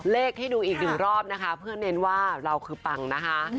ให้ดูอีกหนึ่งรอบนะคะเพื่อเน้นว่าเราคือปังนะคะ